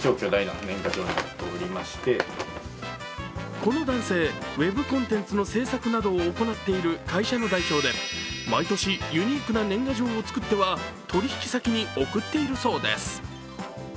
この男性、ウェブコンテンツの制作などを行っている会社の代表で、毎年ユニークな年賀状を作っては、取引先に送っているそうです。